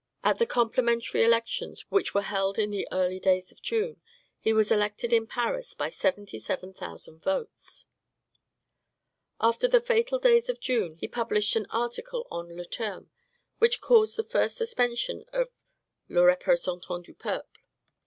At the complementary elections, which were held in the early days of June, he was elected in Paris by seventy seven thousand votes. After the fatal days of June, he published an article on le terme, which caused the first suspension of "Le Representant du Peuple."